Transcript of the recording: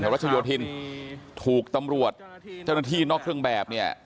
ที่รัฐชัยโยธินทร์ถูกตำรวจเจ้าหน้าที่นอกเครื่องแบบ